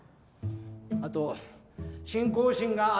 あと信仰心があつい。